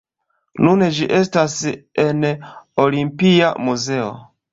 Nun ĝi estas en Olimpia muzeo.